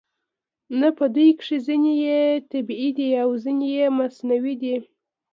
نه په دوی کې ځینې یې طبیعي دي او ځینې یې مصنوعي دي